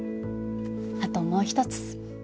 あともう一つ。